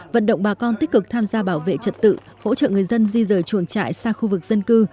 vận động bà con tích cực tham gia bảo vệ trật tự hỗ trợ người dân di rời chuồng trại xa khu vực dân cư